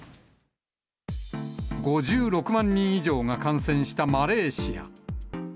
５６万人以上が感染したマレーシア。